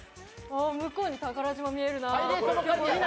向こうに宝島見えるな。